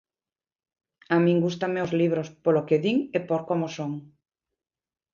A min gústanme os libros polo que din e por como son.